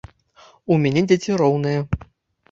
У мяне дзеці роўныя.